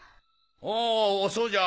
おおそうじゃ！